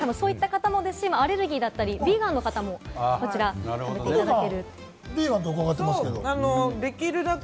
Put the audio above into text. そういった方もですし、アレルギーだったり、ビーガンの方も、こちら食べていただく。